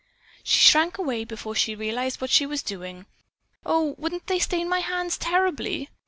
She shrank away before she realized what she was doing. "Oh, wouldn't they stain my hands terribly?"